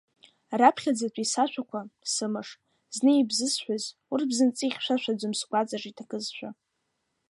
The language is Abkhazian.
Раԥхьаӡатәи сашәақәа, сымыш, зны ибзысҳәаз, урҭ бзынҵы ихьшәашәаӡом, сгәаҵаҿ иҭакызшәа.